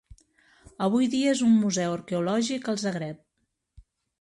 Avui dia és un museu arqueològic al Zagreb.